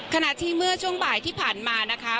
ขณะที่เมื่อช่วงบ่ายที่ผ่านมานะคะ